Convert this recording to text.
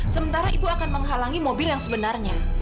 sementara ibu akan menghalangi mobil yang sebenarnya